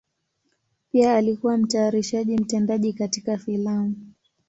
Pia alikuwa mtayarishaji mtendaji katika filamu.